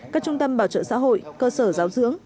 các trung tâm bảo trợ xã hội cơ sở giáo dưỡng